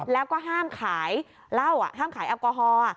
แล้วก็ห้ามขายเหล้าห้ามขายแอลกอฮอล์